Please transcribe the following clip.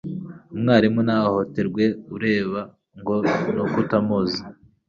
umwari ntahohoterwe ureba ngo nuko utamuzi